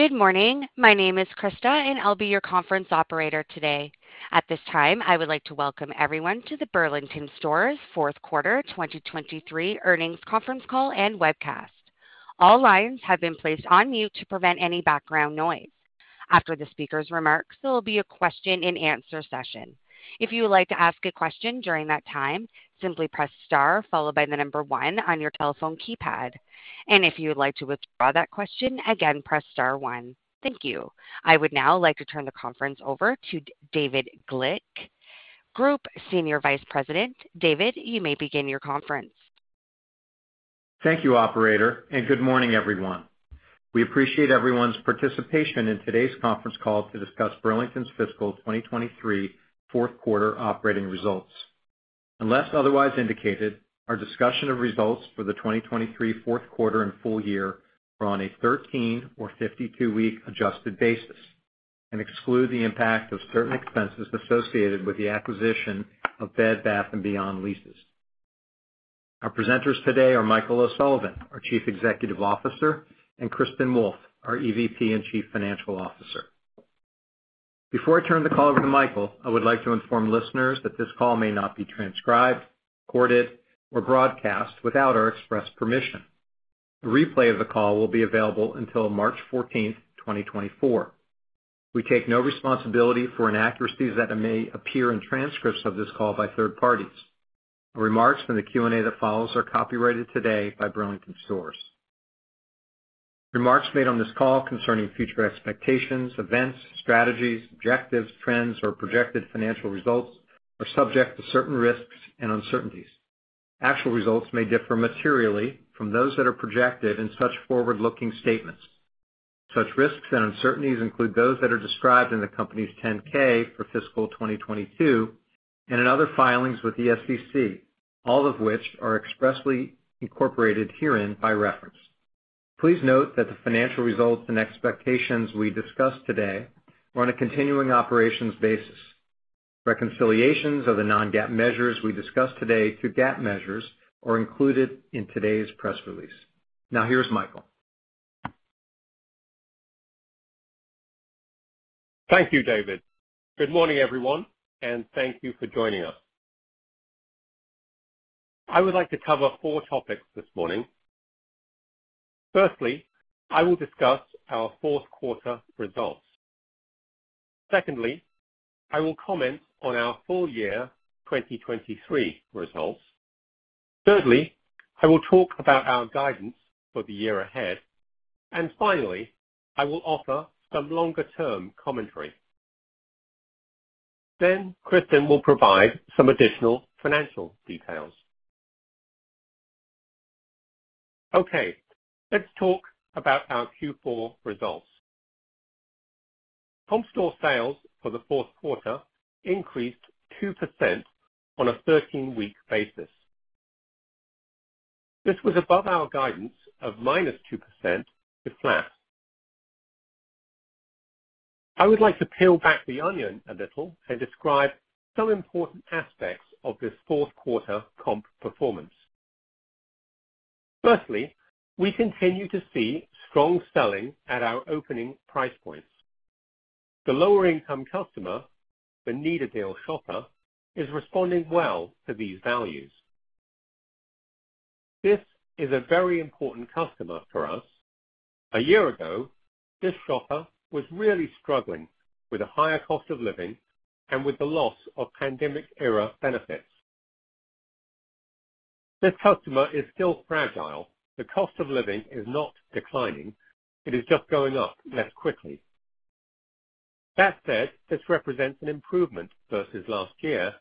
Good morning. My name is Kristin, and I'll be your conference operator today. At this time, I would like to welcome everyone to the Burlington Stores Fourth Quarter 2023 Earnings Conference Call and Webcast. All lines have been placed on mute to prevent any background noise. After the speaker's remarks, there will be a question-and-answer session. If you would like to ask a question during that time, simply press Star followed by the number one on your telephone keypad, and if you would like to withdraw that question again, press Star one. Thank you. I would now like to turn the conference over to David Glick, Group Senior Vice President. David, you may begin your conference. Thank you, operator, and good morning, everyone. We appreciate everyone's participation in today's conference call to discuss Burlington's fiscal 2023 fourth quarter operating results. Unless otherwise indicated, our discussion of results for the 2023 fourth quarter and full year are on a 13- or 52-week adjusted basis and exclude the impact of certain expenses associated with the acquisition of Bed Bath & Beyond leases. Our presenters today are Michael O'Sullivan, our Chief Executive Officer, and Kristin Wolfe, our EVP and Chief Financial Officer. Before I turn the call over to Michael, I would like to inform listeners that this call may not be transcribed, recorded, or broadcast without our express permission. A replay of the call will be available until March 14, 2024. We take no responsibility for inaccuracies that may appear in transcripts of this call by third parties. Remarks from the Q&A that follows are copyrighted today by Burlington Stores. Remarks made on this call concerning future expectations, events, strategies, objectives, trends, or projected financial results are subject to certain risks and uncertainties. Actual results may differ materially from those that are projected in such forward-looking statements. Such risks and uncertainties include those that are described in the company's 10-K for fiscal 2022 and in other filings with the SEC, all of which are expressly incorporated herein by reference. Please note that the financial results and expectations we discuss today are on a continuing operations basis. Reconciliations of the non-GAAP measures we discuss today to GAAP measures are included in today's press release. Now, here's Michael. Thank you, David. Good morning, everyone, and thank you for joining us. I would like to cover four topics this morning. Firstly, I will discuss our fourth quarter results. Secondly, I will comment on our full year 2023 results. Thirdly, I will talk about our guidance for the year ahead, and finally, I will offer some longer-term commentary. Then Kristin will provide some additional financial details. Okay, let's talk about our Q4 results. Comp store sales for the fourth quarter increased 2% on a 13-week basis. This was above our guidance of -2% to flat. I would like to peel back the onion a little and describe some important aspects of this fourth quarter comp performance. Firstly, we continue to see strong selling at our opening price points. The lower-income customer, the need-a-deal shopper, is responding well to these values. This is a very important customer for us. A year ago, this shopper was really struggling with a higher cost of living and with the loss of pandemic-era benefits. This customer is still fragile. The cost of living is not declining. It is just going up less quickly. That said, this represents an improvement versus last year,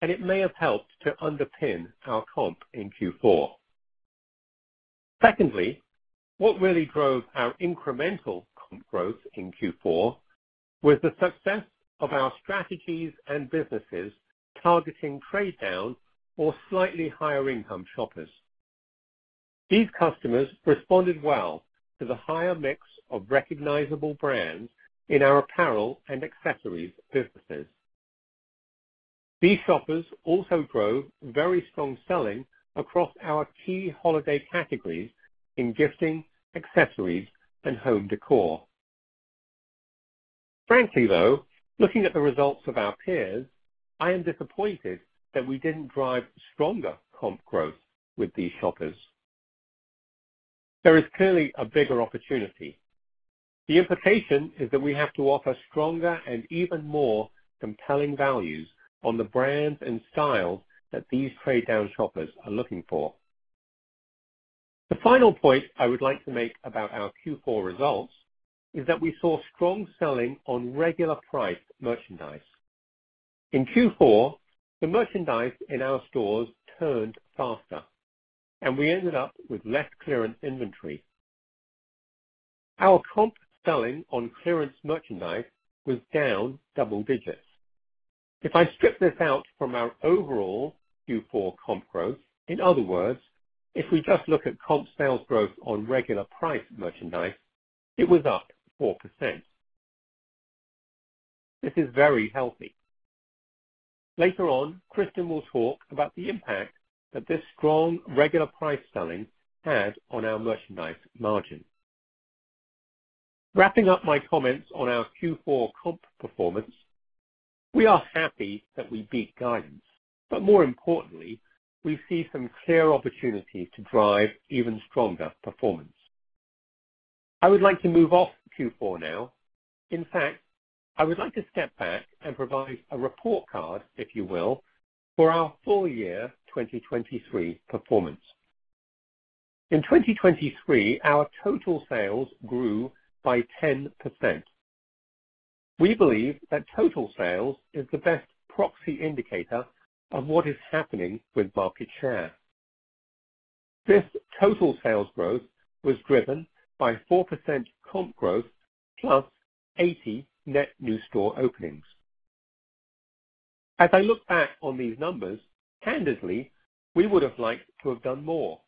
and it may have helped to underpin our comp in Q4. Secondly, what really drove our incremental comp growth in Q4 was the success of our strategies and businesses targeting trade down or slightly higher income shoppers. These customers responded well to the higher mix of recognizable brands in our apparel and accessories businesses. These shoppers also drove very strong selling across our key holiday categories in gifting, accessories, and home decor. Frankly, though, looking at the results of our peers, I am disappointed that we didn't drive stronger comp growth with these shoppers. There is clearly a bigger opportunity. The implication is that we have to offer stronger and even more compelling values on the brands and styles that these trade-down shoppers are looking for. The final point I would like to make about our Q4 results is that we saw strong selling on regular priced merchandise. In Q4, the merchandise in our stores turned faster, and we ended up with less clearance inventory. Our comp selling on clearance merchandise was down double digits. If I strip this out from our overall Q4 comp growth, in other words, if we just look at comp sales growth on regular priced merchandise, it was up 4%. This is very healthy. Later on, Kristin will talk about the impact that this strong regular price selling had on our merchandise margin. Wrapping up my comments on our Q4 comp performance, we are happy that we beat guidance, but more importantly, we see some clear opportunities to drive even stronger performance. I would like to move off Q4 now. In fact, I would like to step back and provide a report card, if you will, for our full year 2023 performance. In 2023, our total sales grew by 10%. We believe that total sales is the best proxy indicator of what is happening with market share. This total sales growth was driven by 4% comp growth, plus 80 net new store openings. As I look back on these numbers, candidly, we would have liked to have done more.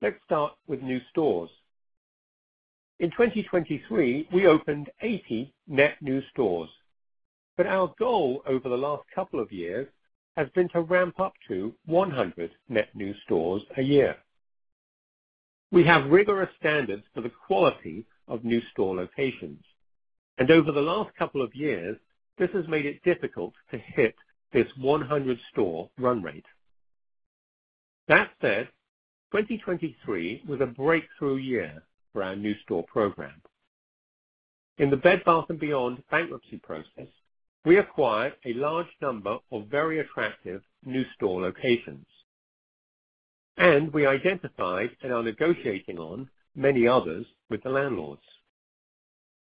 Let's start with new stores. In 2023, we opened 80 net new stores, but our goal over the last couple of years has been to ramp up to 100 net new stores a year. We have rigorous standards for the quality of new store locations, and over the last couple of years, this has made it difficult to hit this 100 store run rate. That said, 2023 was a breakthrough year for our new store program. In the Bed Bath & Beyond bankruptcy process, we acquired a large number of very attractive new store locations, and we identified and are negotiating on many others with the landlords.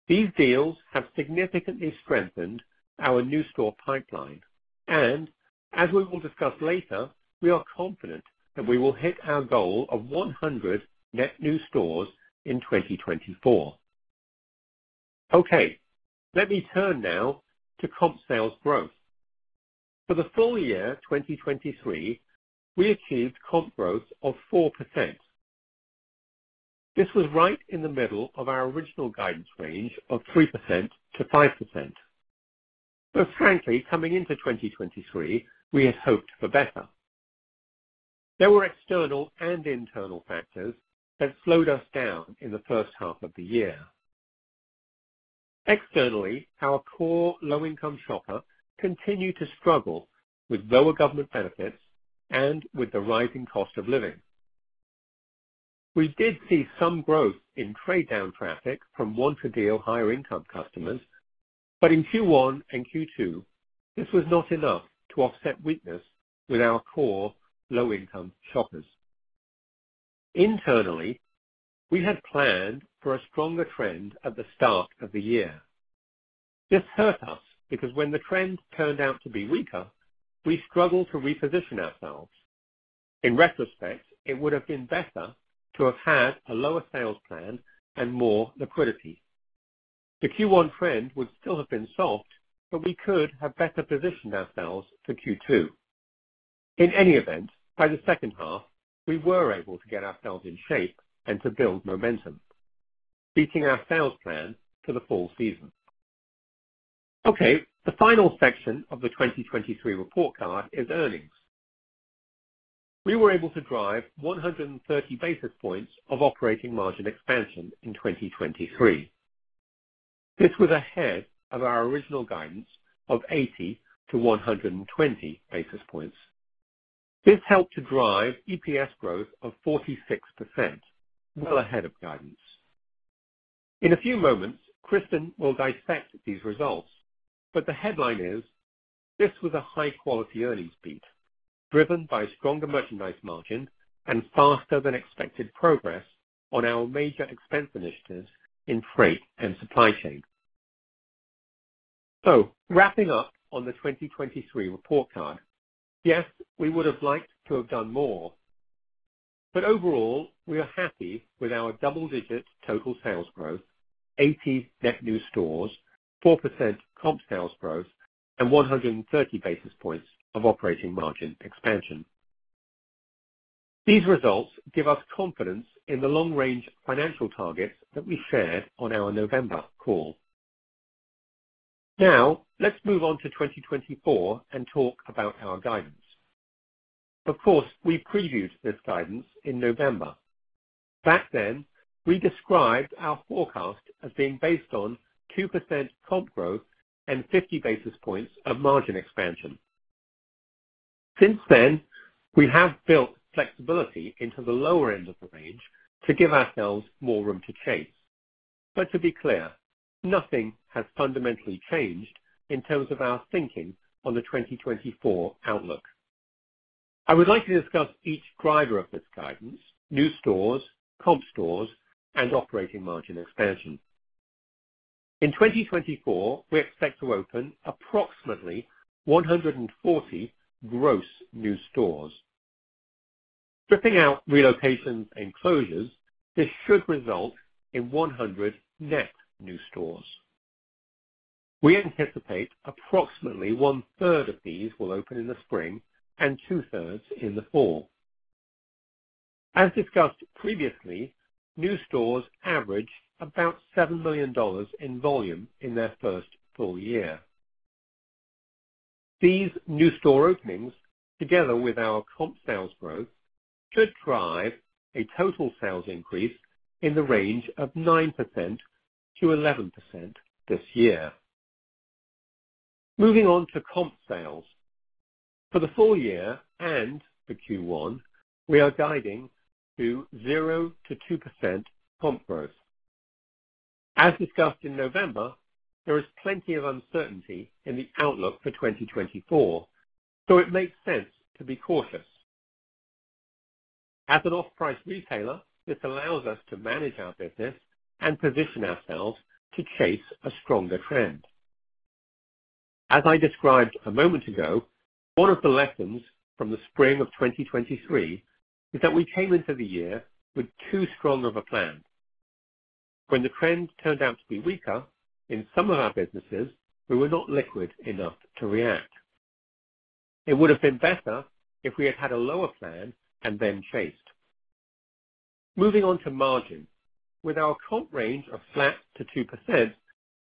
These deals have significantly strengthened our new store pipeline, and as we will discuss later, we are confident that we will hit our goal of 100 net new stores in 2024. Okay, let me turn now to comp sales growth. For the full year 2023, we achieved comp growth of 4%. This was right in the middle of our original guidance range of 3%-5%, but frankly, coming into 2023, we had hoped for better. There were external and internal factors that slowed us down in the first half of the year. Externally, our core low-income shopper continued to struggle with lower government benefits and with the rising cost of living. We did see some growth in trade down traffic from want-a-deal, higher income customers, but in Q1 and Q2, this was not enough to offset weakness with our core low-income shoppers. Internally, we had planned for a stronger trend at the start of the year. This hurt us because when the trend turned out to be weaker, we struggled to reposition ourselves. In retrospect, it would have been better to have had a lower sales plan and more liquidity. The Q1 trend would still have been soft, but we could have better positioned ourselves for Q2. In any event, by the second half, we were able to get ourselves in shape and to build momentum, beating our sales plan for the fall season. Okay, the final section of the 2023 report card is earnings. We were able to drive 130 basis points of operating margin expansion in 2023. This was ahead of our original guidance of 80-120 basis points. This helped to drive EPS growth of 46%, well ahead of guidance. In a few moments, Kristin will dissect these results, but the headline is: this was a high quality earnings beat, driven by stronger merchandise margin and faster than expected progress on our major expense initiatives in freight and supply chain. So wrapping up on the 2023 report card, yes, we would have liked to have done more, but overall, we are happy with our double-digit total sales growth, 80 net new stores, 4% comp sales growth, and 130 basis points of operating margin expansion. These results give us confidence in the long range financial targets that we shared on our November call. Now, let's move on to 2024 and talk about our guidance. Of course, we previewed this guidance in November. Back then, we described our forecast as being based on 2% comp growth and 50 basis points of margin expansion. Since then, we have built flexibility into the lower end of the range to give ourselves more room to chase. But to be clear, nothing has fundamentally changed in terms of our thinking on the 2024 outlook. I would like to discuss each driver of this guidance: new stores, comp stores, and operating margin expansion. In 2024, we expect to open approximately 140 gross new stores. Stripping out relocations and closures, this should result in 100 net new stores. We anticipate approximately one third of these will open in the spring and two-thirds in the fall.... As discussed previously, new stores average about $7 million in volume in their first full year. These new store openings, together with our comp sales growth, should drive a total sales increase in the range of 9%-11% this year. Moving on to comp sales. For the full year and for Q1, we are guiding to 0%-2% comp growth. As discussed in November, there is plenty of uncertainty in the outlook for 2024, so it makes sense to be cautious. As an off-price retailer, this allows us to manage our business and position ourselves to chase a stronger trend. As I described a moment ago, one of the lessons from the spring of 2023 is that we came into the year with too strong of a plan. When the trend turned out to be weaker in some of our businesses, we were not liquid enough to react. It would have been better if we had had a lower plan and then chased. Moving on to margin. With our comp range of flat to 2%,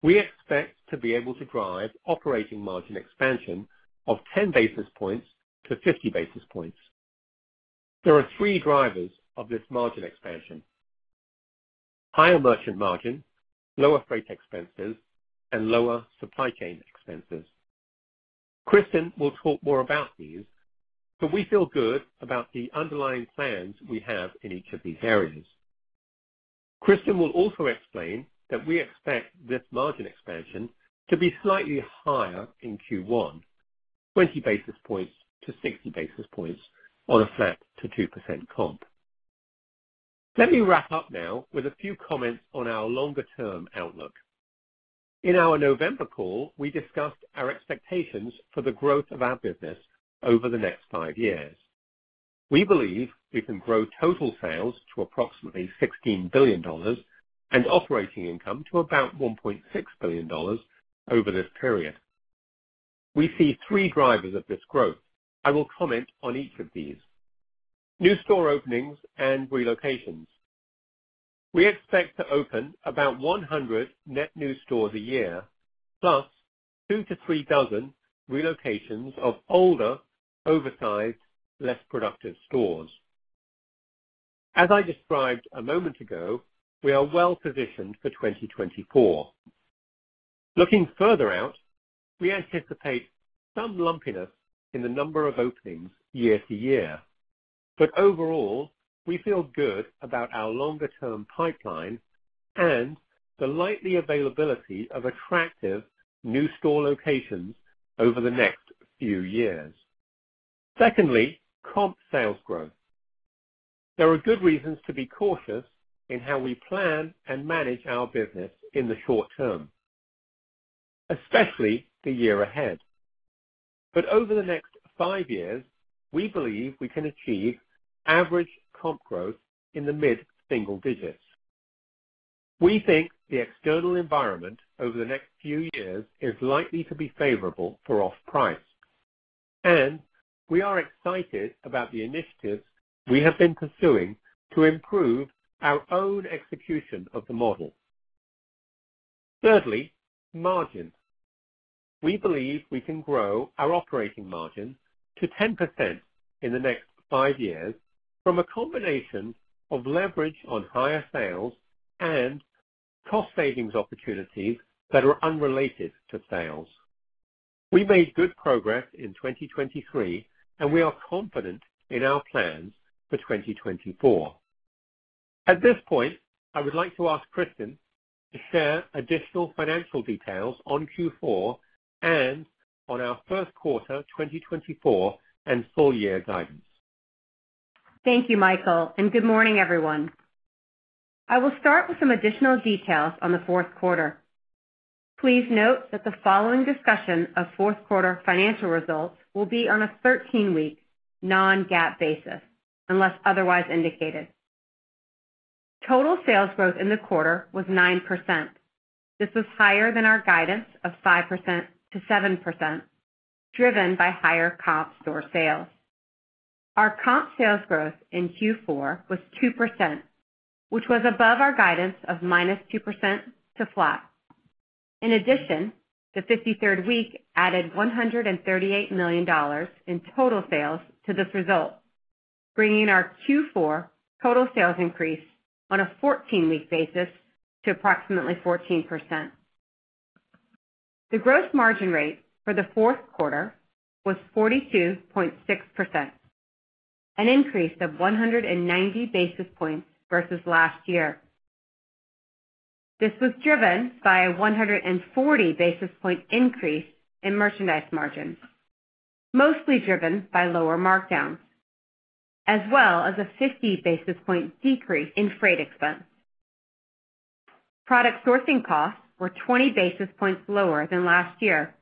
we expect to be able to drive operating margin expansion of 10 basis points to 50 basis points. There are three drivers of this margin expansion: higher merchant margin, lower freight expenses, and lower supply chain expenses. Kristin will talk more about these, but we feel good about the underlying plans we have in each of these areas. Kristin will also explain that we expect this margin expansion to be slightly higher in Q1, 20 basis points to 60 basis points on a flat to 2% comp. Let me wrap up now with a few comments on our longer-term outlook. In our November call, we discussed our expectations for the growth of our business over the next 5 years. We believe we can grow total sales to approximately $16 billion and operating income to about $1.6 billion over this period. We see three drivers of this growth. I will comment on each of these. New store openings and relocations. We expect to open about 100 net new stores a year, plus 2-3 dozen relocations of older, oversized, less productive stores. As I described a moment ago, we are well positioned for 2024. Looking further out, we anticipate some lumpiness in the number of openings year-to-year, but overall, we feel good about our longer-term pipeline and the likely availability of attractive new store locations over the next few years. Secondly, comp sales growth. There are good reasons to be cautious in how we plan and manage our business in the short term, especially the year ahead. But over the next five years, we believe we can achieve average comp growth in the mid-single digits. We think the external environment over the next few years is likely to be favorable for off-price, and we are excited about the initiatives we have been pursuing to improve our own execution of the model. Thirdly, margin. We believe we can grow our operating margin to 10% in the next five years from a combination of leverage on higher sales and cost savings opportunities that are unrelated to sales. We made good progress in 2023, and we are confident in our plans for 2024. At this point, I would like to ask Kristin to share additional financial details on Q4 and on our first quarter 2024 and full year guidance. Thank you, Michael, and good morning, everyone. I will start with some additional details on the fourth quarter. Please note that the following discussion of fourth quarter financial results will be on a 13-week non-GAAP basis, unless otherwise indicated. Total sales growth in the quarter was 9%. This was higher than our guidance of 5%-7%, driven by higher comp store sales. Our comp sales growth in Q4 was 2%, which was above our guidance of -2% to flat. In addition, the 53rd week added $138 million in total sales to this result, bringing our Q4 total sales increase on a 14-week basis to approximately 14%. The gross margin rate for the fourth quarter was 42.6%, an increase of 190 basis points versus last year. This was driven by a 140 basis point increase in merchandise margins, mostly driven by lower markdowns, as well as a 50 basis point decrease in freight expense. Product sourcing costs were 20 basis points lower than last year.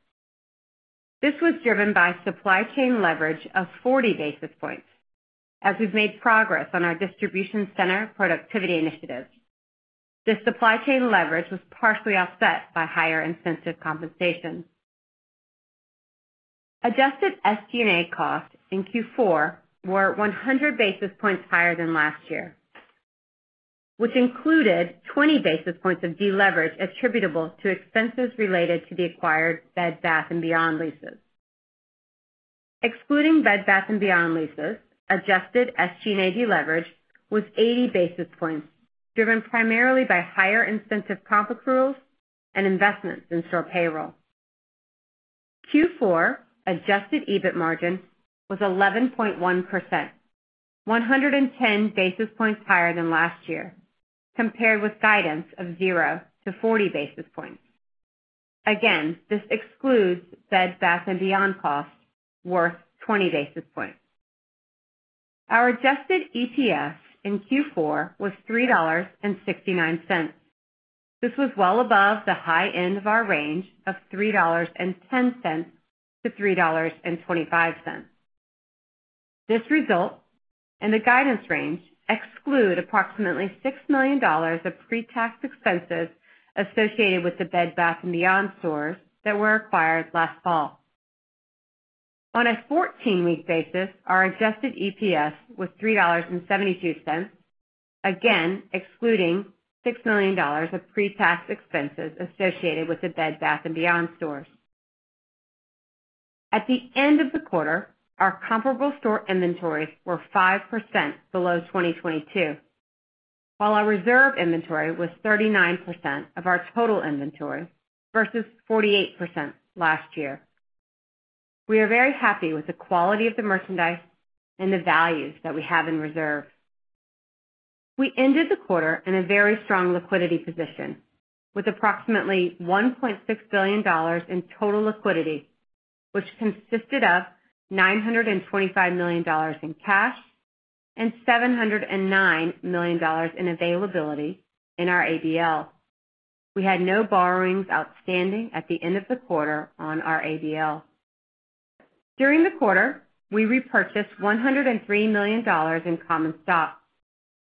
This was driven by supply chain leverage of 40 basis points as we've made progress on our distribution center productivity initiatives. This supply chain leverage was partially offset by higher incentive compensation. Adjusted SG&A costs in Q4 were 100 basis points higher than last year, which included 20 basis points of deleverage attributable to expenses related to the acquired Bed Bath & Beyond leases. Excluding Bed Bath & Beyond leases, adjusted SG&A deleverage was 80 basis points, driven primarily by higher incentive comp accruals and investments in store payroll. Q4 adjusted EBIT margin was 11.1%, 110 basis points higher than last year, compared with guidance of 0-40 basis points. Again, this excludes Bed Bath & Beyond costs worth 20 basis points. Our adjusted EPS in Q4 was $3.69. This was well above the high end of our range of $3.10-$3.25. This result and the guidance range exclude approximately $6 million of pre-tax expenses associated with the Bed Bath & Beyond stores that were acquired last fall. On a 14-week basis, our adjusted EPS was $3.72, again, excluding $6 million of pre-tax expenses associated with the Bed Bath & Beyond stores. At the end of the quarter, our comparable store inventories were 5% below 2022, while our reserve inventory was 39% of our total inventory versus 48% last year. We are very happy with the quality of the merchandise and the values that we have in reserve. We ended the quarter in a very strong liquidity position with approximately $1.6 billion in total liquidity, which consisted of $925 million in cash and $709 million in availability in our ABL. We had no borrowings outstanding at the end of the quarter on our ABL. During the quarter, we repurchased $103 million in common stock,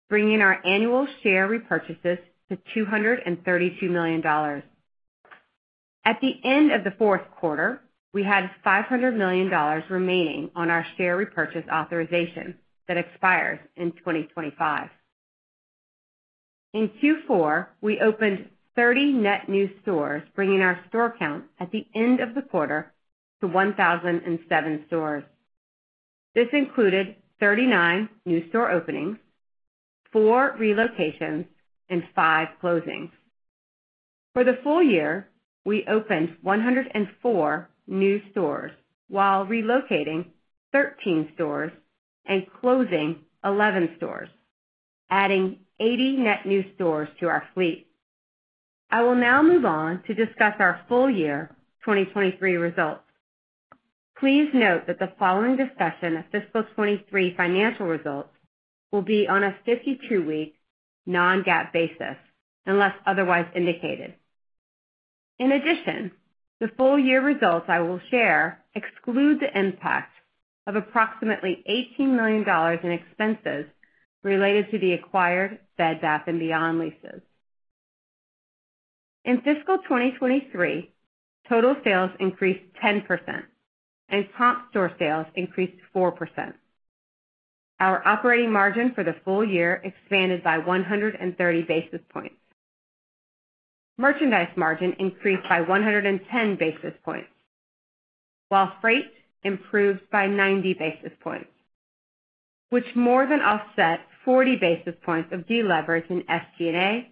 bringing our annual share repurchases to $232 million. At the end of the fourth quarter, we had $500 million remaining on our share repurchase authorization that expires in 2025. In Q4, we opened 30 net new stores, bringing our store count at the end of the quarter to 1,007 stores. This included 39 new store openings, four relocations, and five closings. For the full year, we opened 104 new stores, while relocating 13 stores and closing 11 stores, adding 80 net new stores to our fleet. I will now move on to discuss our full year 2023 results. Please note that the following discussion of fiscal 2023 financial results will be on a 52-week non-GAAP basis, unless otherwise indicated. In addition, the full year results I will share exclude the impact of approximately $18 million in expenses related to the acquired Bed Bath & Beyond leases. In fiscal 2023, total sales increased 10% and comp store sales increased 4%. Our operating margin for the full year expanded by 130 basis points. Merchandise margin increased by 110 basis points, while freight improved by 90 basis points, which more than offset 40 basis points of deleverage in SG&A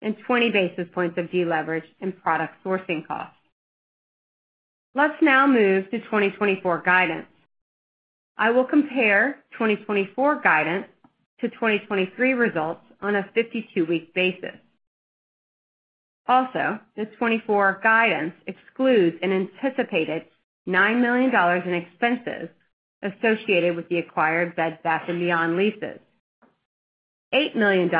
and 20 basis points of deleverage in product sourcing costs. Let's now move to 2024 guidance. I will compare 2024 guidance to 2023 results on a 52-week basis. Also, the 2024 guidance excludes an anticipated $9 million in expenses associated with the acquired Bed Bath & Beyond leases. $8 million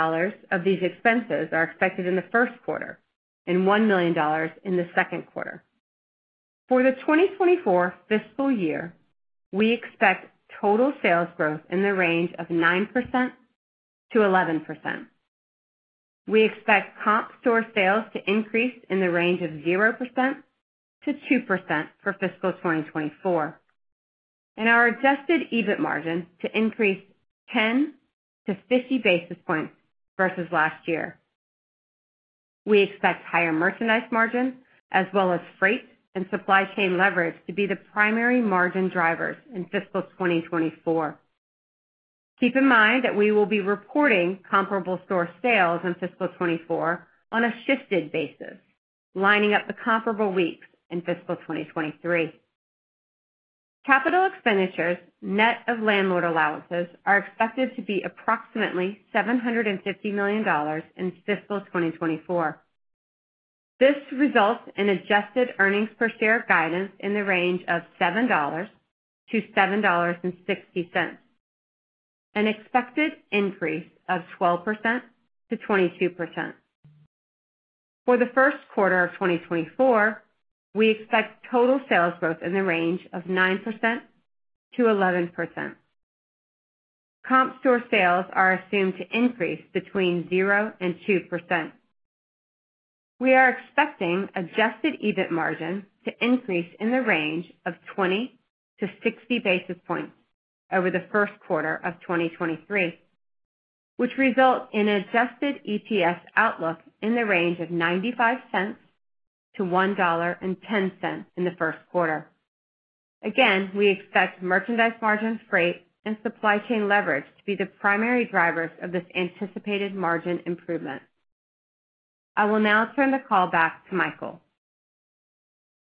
of these expenses are expected in the first quarter and $1 million in the second quarter. For the 2024 fiscal year, we expect total sales growth in the range of 9%-11%. We expect comp store sales to increase in the range of 0%-2% for fiscal 2024, and our adjusted EBIT margin to increase 10-50 basis points versus last year. We expect higher merchandise margin as well as freight and supply chain leverage to be the primary margin drivers in fiscal 2024. Keep in mind that we will be reporting comparable store sales in fiscal 2024 on a shifted basis, lining up the comparable weeks in fiscal 2023. Capital expenditures, net of landlord allowances, are expected to be approximately $750 million in fiscal 2024. This results in adjusted earnings per share guidance in the range of $7-$7.60, an expected increase of 12%-22%. For the first quarter of 2024, we expect total sales growth in the range of 9%-11%. Comp store sales are assumed to increase between 0% and 2%. We are expecting adjusted EBIT margin to increase in the range of 20 to 60 basis points over the first quarter of 2023, which result in an adjusted EPS outlook in the range of $0.95-$1.10 in the first quarter. Again, we expect merchandise margin, freight, and supply chain leverage to be the primary drivers of this anticipated margin improvement. I will now turn the call back to Michael.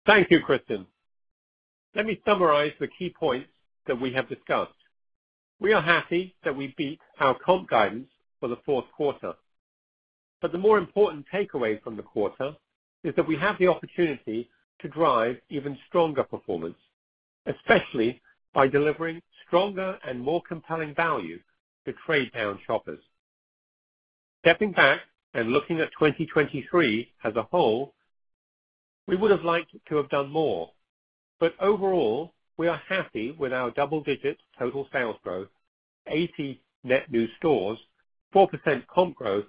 Thank you, Kristin. Let me summarize the key points that we have discussed. We are happy that we beat our comp guidance for the fourth quarter, but the more important takeaway from the quarter is that we have the opportunity to drive even stronger performance, especially by delivering stronger and more compelling value to trade-down shoppers. Stepping back and looking at 2023 as a whole, we would have liked to have done more, but overall, we are happy with our double-digit total sales growth, 80 net new stores, 4% comp growth,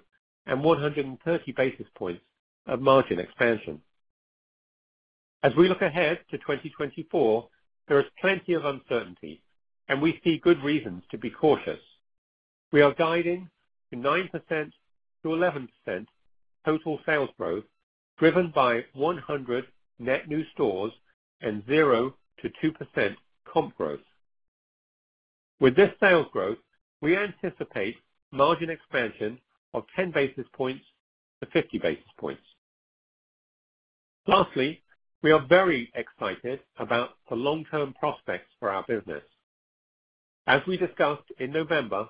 and 130 basis points of margin expansion. As we look ahead to 2024, there is plenty of uncertainty, and we see good reasons to be cautious. We are guiding to 9%-11% total sales growth, driven by 100 net new stores and 0%-2% comp growth. With this sales growth, we anticipate margin expansion of 10-50 basis points. Lastly, we are very excited about the long-term prospects for our business. As we discussed in November,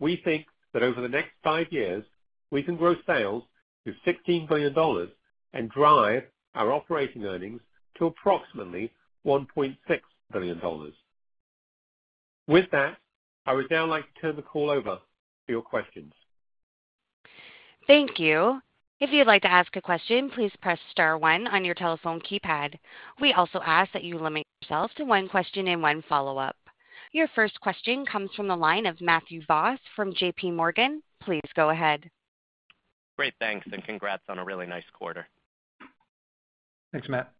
we think that over the next 5 years, we can grow sales to $16 billion and drive our operating earnings to approximately $1.6 billion. With that, I would now like to turn the call over to your questions. Thank you. If you'd like to ask a question, please press star one on your telephone keypad. We also ask that you limit yourself to one question and one follow-up. Your first question comes from the line of Matthew Boss from J.P. Morgan. Please go ahead. Great, thanks, and congrats on a really nice quarter. Thanks, Matt.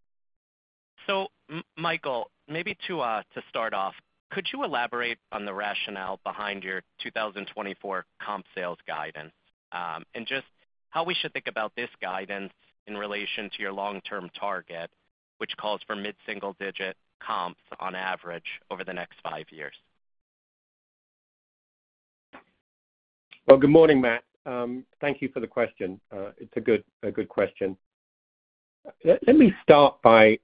So, Michael, maybe to start off, could you elaborate on the rationale behind your 2024 comp sales guidance? And just how we should think about this guidance in relation to your long-term target, which calls for mid-single-digit comps on average over the next five years. Well, good morning, Matt. Thank you for the question. It's a good, a good question. Let me start by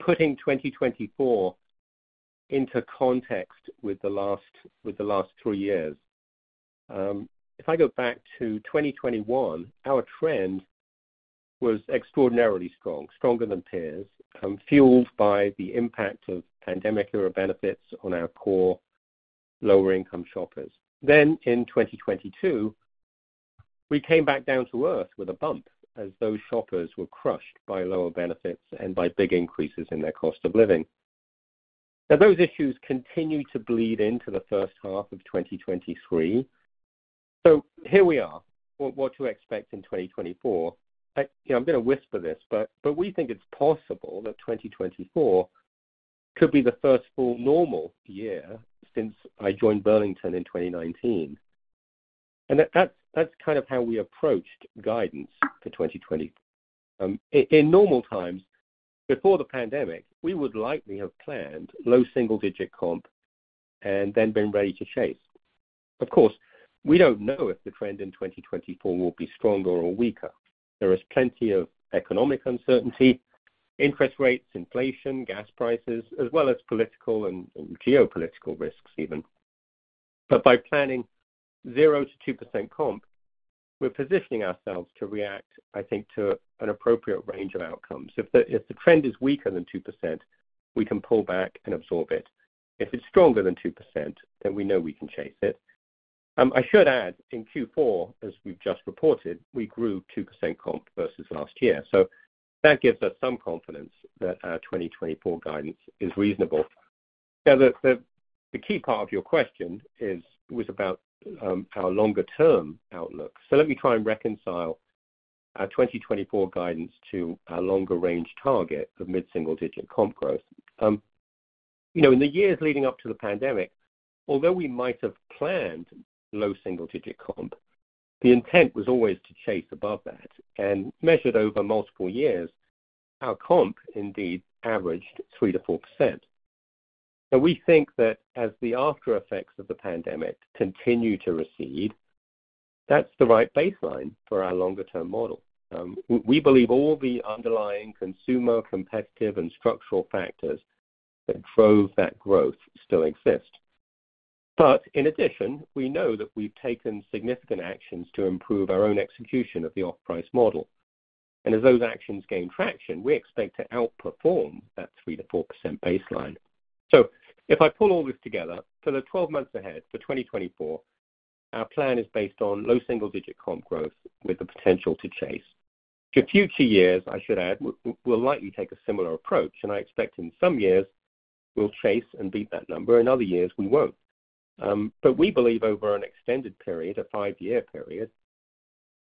putting 2024 into context with the last three years. If I go back to 2021, our trend was extraordinarily strong, stronger than peers, fueled by the impact of pandemic-era benefits on our poor, lower-income shoppers. Then in 2022, we came back down to Earth with a bump as those shoppers were crushed by lower benefits and by big increases in their cost of living. Now, those issues continued to bleed into the first half of 2023. So here we are. What to expect in 2024? You know, I'm gonna whisper this, but we think it's possible that 2024 could be the first full normal year since I joined Burlington in 2019. That's kind of how we approached guidance for 2020. In normal times, before the pandemic, we would likely have planned low single-digit comp and then been ready to chase. Of course, we don't know if the trend in 2024 will be stronger or weaker. There is plenty of economic uncertainty, interest rates, inflation, gas prices, as well as political and geopolitical risks even. But by planning 0%-2% comp, we're positioning ourselves to react, I think, to an appropriate range of outcomes. If the trend is weaker than 2%, we can pull back and absorb it. If it's stronger than 2%, then we know we can chase it. I should add, in Q4, as we've just reported, we grew 2% comp versus last year, so that gives us some confidence that our 2024 guidance is reasonable. Now, the key part of your question is about our longer-term outlook. So let me try and reconcile our 2024 guidance to our longer-range target of mid-single-digit comp growth. You know, in the years leading up to the pandemic, although we might have planned low single-digit comp, the intent was always to chase above that and measured over multiple years, our comp indeed averaged 3%-4%. So we think that as the aftereffects of the pandemic continue to recede, that's the right baseline for our longer-term model. We believe all the underlying consumer, competitive, and structural factors that drove that growth still exist. But in addition, we know that we've taken significant actions to improve our own execution of the off-price model, and as those actions gain traction, we expect to outperform that 3%-4% baseline. So if I pull all this together, for the 12 months ahead, for 2024... Our plan is based on low single-digit comp growth with the potential to chase. For future years, I should add, we'll likely take a similar approach, and I expect in some years we'll chase and beat that number, in other years, we won't. But we believe over an extended period, a five-year period,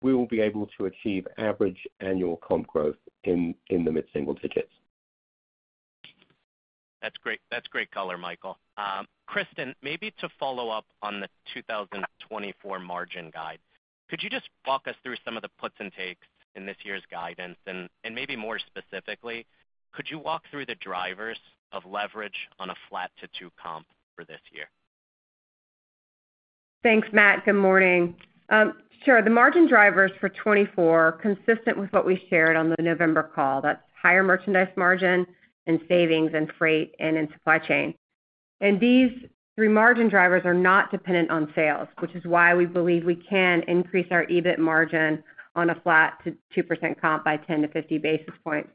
we will be able to achieve average annual comp growth in the mid-single digits. That's great. That's great color, Michael. Kristin, maybe to follow up on the 2024 margin guide, could you just walk us through some of the puts and takes in this year's guidance? And, and maybe more specifically, could you walk through the drivers of leverage on a flat to two comp for this year? Thanks, Matt. Good morning. Sure. The margin drivers for 2024, consistent with what we shared on the November call, that's higher merchandise margin and savings in freight and in supply chain. And these three margin drivers are not dependent on sales, which is why we believe we can increase our EBIT margin on a flat to 2% comp by 10-50 basis points.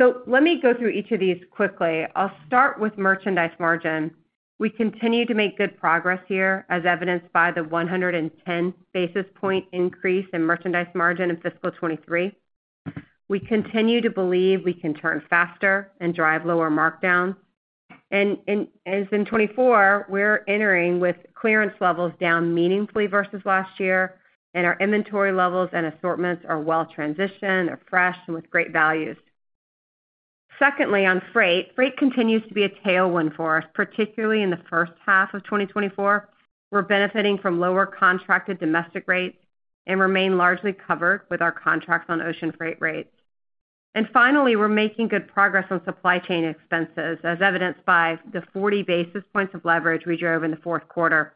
So let me go through each of these quickly. I'll start with merchandise margin. We continue to make good progress here, as evidenced by the 110 basis point increase in merchandise margin in fiscal 2023. We continue to believe we can turn faster and drive lower markdowns. And as in 2024, we're entering with clearance levels down meaningfully versus last year, and our inventory levels and assortments are well transitioned, fresh and with great values. Secondly, on freight, freight continues to be a tailwind for us, particularly in the first half of 2024. We're benefiting from lower contracted domestic rates and remain largely covered with our contracts on ocean freight rates. And finally, we're making good progress on supply chain expenses, as evidenced by the 40 basis points of leverage we drove in the fourth quarter.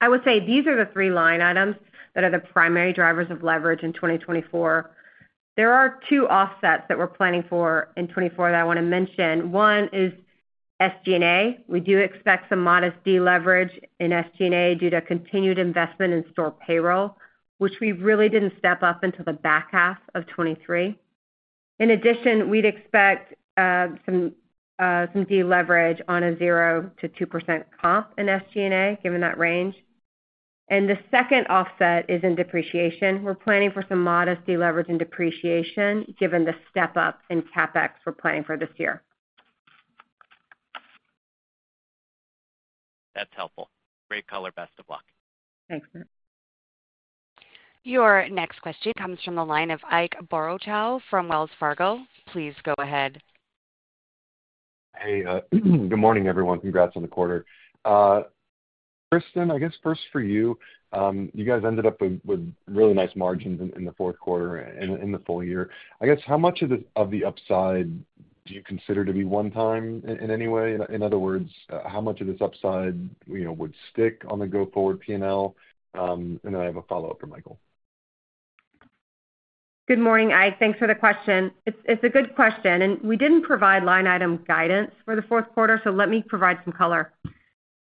I would say these are the three line items that are the primary drivers of leverage in 2024. There are two offsets that we're planning for in 2024 that I wanna mention. One is SG&A. We do expect some modest deleverage in SG&A due to continued investment in store payroll, which we really didn't step up until the back half of 2023. In addition, we'd expect some deleverage on a 0%-2% comp in SG&A, given that range. The second offset is in depreciation. We're planning for some modest deleverage in depreciation, given the step up in CapEx we're planning for this year. That's helpful. Great color. Best of luck. Thanks, Matt. Your next question comes from the line of Ike Boruchow from Wells Fargo. Please go ahead. Hey, good morning, everyone. Congrats on the quarter. Kristen, I guess first for you. You guys ended up with really nice margins in the fourth quarter and in the full year. I guess, how much of the upside do you consider to be one time in any way? In other words, how much of this upside, you know, would stick on the go-forward P&L? And then I have a follow-up for Michael. Good morning, Ike. Thanks for the question. It's a good question, and we didn't provide line item guidance for the fourth quarter, so let me provide some color.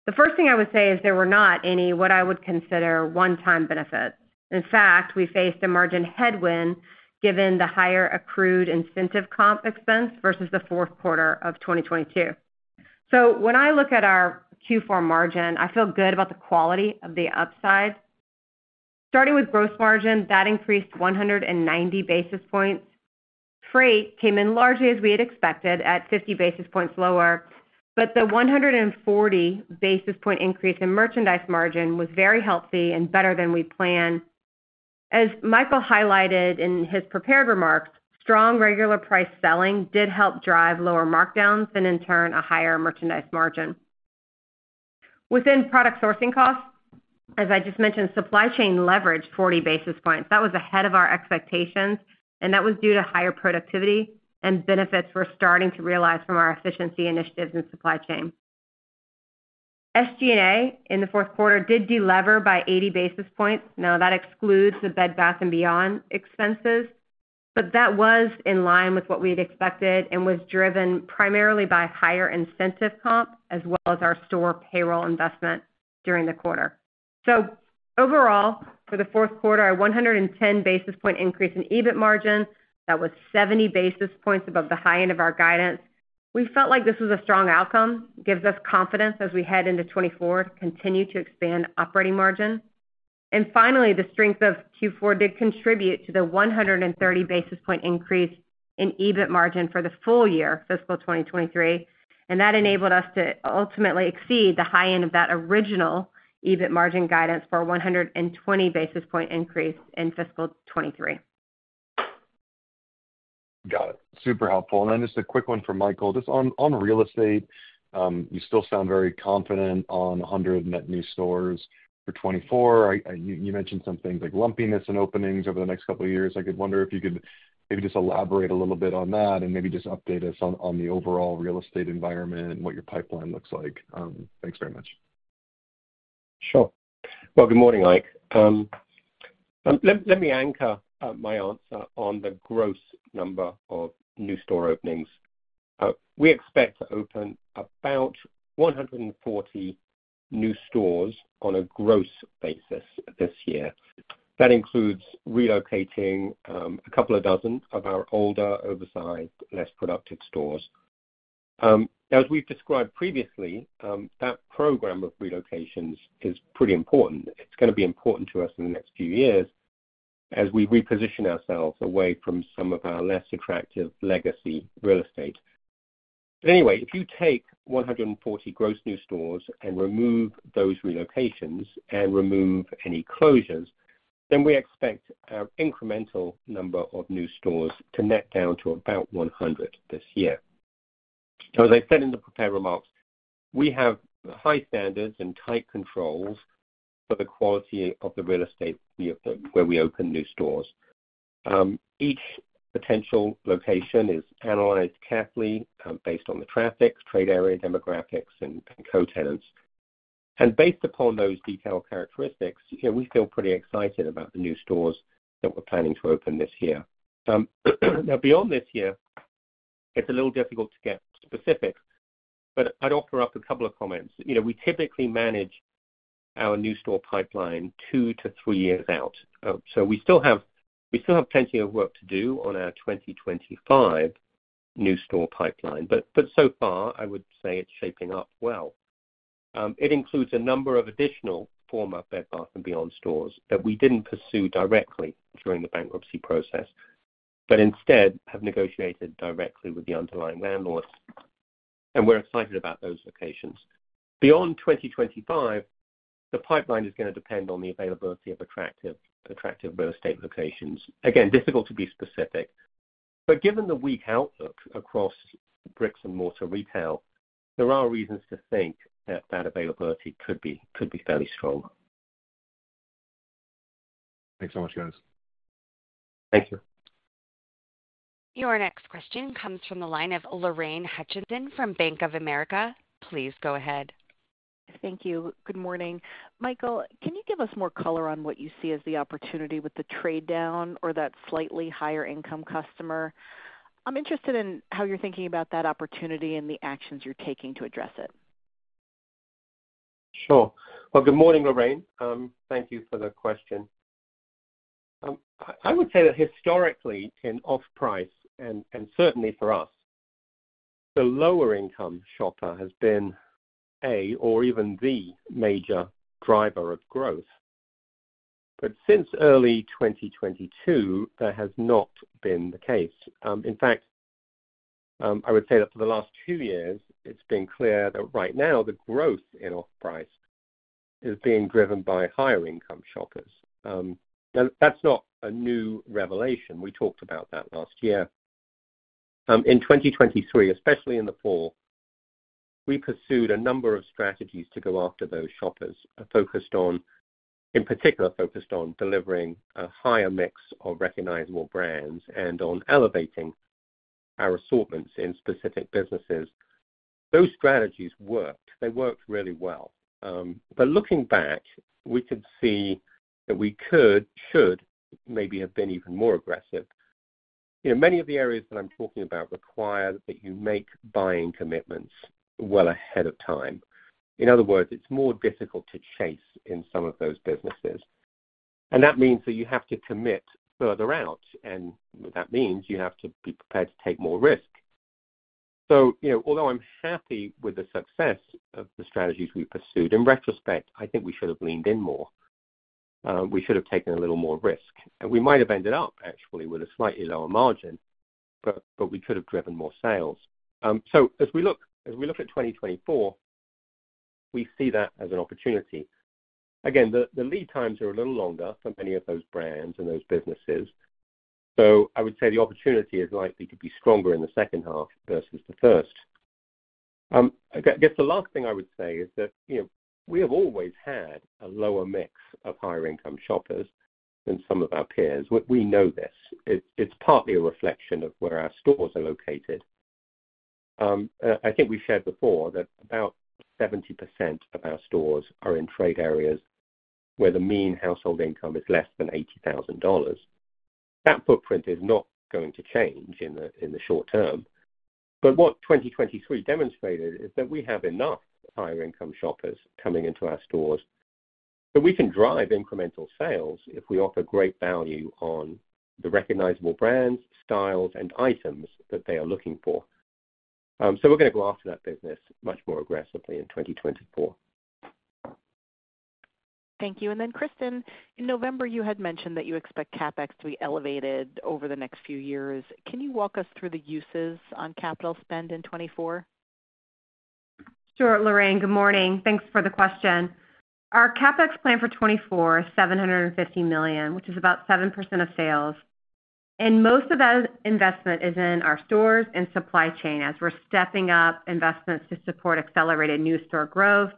The first thing I would say is there were not any, what I would consider, one-time benefits. In fact, we faced a margin headwind, given the higher accrued incentive comp expense versus the fourth quarter of 2022. So when I look at our Q4 margin, I feel good about the quality of the upside. Starting with gross margin, that increased 190 basis points. Freight came in largely as we had expected, at 50 basis points lower, but the 140 basis point increase in merchandise margin was very healthy and better than we planned. As Michael highlighted in his prepared remarks, strong regular price selling did help drive lower markdowns and in turn, a higher merchandise margin. Within product sourcing costs, as I just mentioned, supply chain leveraged 40 basis points. That was ahead of our expectations, and that was due to higher productivity and benefits we're starting to realize from our efficiency initiatives and supply chain. SG&A, in the fourth quarter, did delever by 80 basis points. Now, that excludes the Bed Bath & Beyond expenses, but that was in line with what we'd expected and was driven primarily by higher incentive comp, as well as our store payroll investment during the quarter. So overall, for the fourth quarter, our 110 basis point increase in EBIT margin, that was 70 basis points above the high end of our guidance. We felt like this was a strong outcome. Gives us confidence as we head into 2024 to continue to expand operating margin. And finally, the strength of Q4 did contribute to the 130 basis point increase in EBIT margin for the full year, fiscal 2023, and that enabled us to ultimately exceed the high end of that original EBIT margin guidance for a 120 basis point increase in fiscal 2023. Got it. Super helpful. And then just a quick one for Michael. Just on real estate, you still sound very confident on 100 net new stores for 2024. You mentioned some things like lumpiness and openings over the next couple of years. I wonder if you could maybe just elaborate a little bit on that, and maybe just update us on the overall real estate environment and what your pipeline looks like. Thanks very much. Sure. Well, good morning, Ike. Let me anchor my answer on the gross number of new store openings. We expect to open about 140 new stores on a gross basis this year. That includes relocating a couple of dozen of our older, oversized, less productive stores.... As we've described previously, that program of relocations is pretty important. It's gonna be important to us in the next few years as we reposition ourselves away from some of our less attractive legacy real estate. But anyway, if you take 140 gross new stores and remove those relocations and remove any closures, then we expect our incremental number of new stores to net down to about 100 this year. So as I said in the prepared remarks, we have high standards and tight controls for the quality of the real estate we where we open new stores. Each potential location is analyzed carefully, based on the traffic, trade, area, demographics, and co-tenants. And based upon those detailed characteristics, you know, we feel pretty excited about the new stores that we're planning to open this year. Now, beyond this year, it's a little difficult to get specific, but I'd offer up a couple of comments. You know, we typically manage our new store pipeline 2-3 years out. So we still have, we still have plenty of work to do on our 2025 new store pipeline, but so far I would say it's shaping up well. It includes a number of additional former Bed Bath & Beyond stores that we didn't pursue directly during the bankruptcy process, but instead have negotiated directly with the underlying landlords, and we're excited about those locations. Beyond 2025, the pipeline is gonna depend on the availability of attractive real estate locations. Again, difficult to be specific, but given the weak outlook across bricks and mortar retail, there are reasons to think that availability could be fairly strong. Thanks so much, guys. Thank you. Your next question comes from the line of Lorraine Hutchinson from Bank of America. Please go ahead. Thank you. Good morning. Michael, can you give us more color on what you see as the opportunity with the trade down or that slightly higher income customer? I'm interested in how you're thinking about that opportunity and the actions you're taking to address it. Sure. Well, good morning, Lorraine. Thank you for the question. I would say that historically, in off-price and certainly for us, the lower income shopper has been a or even the major driver of growth. But since early 2022, that has not been the case. In fact, I would say that for the last two years, it's been clear that right now the growth in off-price is being driven by higher income shoppers. Now that's not a new revelation. We talked about that last year. In 2023, especially in the fall, we pursued a number of strategies to go after those shoppers are focused on... In particular, focused on delivering a higher mix of recognizable brands and on elevating our assortments in specific businesses. Those strategies worked. They worked really well. But looking back, we could see that we should maybe have been even more aggressive. You know, many of the areas that I'm talking about require that you make buying commitments well ahead of time. In other words, it's more difficult to chase in some of those businesses, and that means that you have to commit further out, and that means you have to be prepared to take more risk. So, you know, although I'm happy with the success of the strategies we pursued, in retrospect, I think we should have leaned in more. We should have taken a little more risk, and we might have ended up actually with a slightly lower margin, but we could have driven more sales. So as we look at 2024, we see that as an opportunity. Again, the lead times are a little longer for many of those brands and those businesses, so I would say the opportunity is likely to be stronger in the second half versus the first. I guess the last thing I would say is that, you know, we have always had a lower mix of higher income shoppers than some of our peers. We, we know this. It's, it's partly a reflection of where our stores are located. I think we've shared before that about 70% of our stores are in trade areas where the mean household income is less than $80,000. That footprint is not going to change in the short term, but what 2023 demonstrated is that we have enough higher income shoppers coming into our stores, so we can drive incremental sales if we offer great value on the recognizable brands, styles, and items that they are looking for. So we're gonna go after that business much more aggressively in 2024. Thank you. And then, Kristin, in November, you had mentioned that you expect CapEx to be elevated over the next few years. Can you walk us through the uses of capital spend in 2024? Sure, Lorraine. Good morning. Thanks for the question. Our CapEx plan for 2024 is $750 million, which is about 7% of sales, and most of that investment is in our stores and supply chain as we're stepping up investments to support accelerated new store growth,